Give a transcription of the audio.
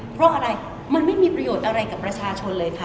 เพราะอะไรมันไม่มีประโยชน์อะไรกับประชาชนเลยค่ะ